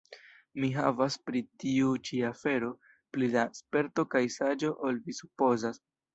Mi havas pri tiu ĉi afero pli da sperto kaj saĝo ol vi supozas.